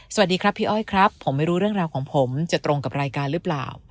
สวัสดีครับพี่อ้อยครับผมไม่รู้เรื่องราวของผมจะตรงกับรายการหรือเปล่า